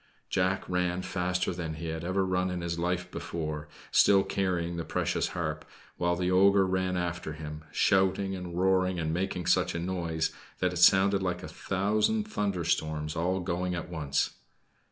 Jack ran faster than he had ever run in his life before still carrying the precious harp while the ogre ran after him, shouting and roaring and making such a noise that it sounded like a thousand thunder storms all going at once.